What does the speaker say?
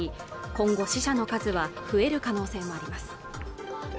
今後死者の数は増える可能性もあります